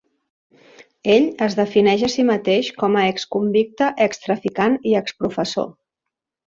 Ell es defineix a sí mateix com a "ex-convicte, ex-traficant i ex-professor".